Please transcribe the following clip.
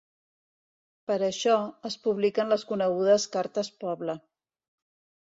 Per a això, es publiquen les conegudes Cartes Pobla.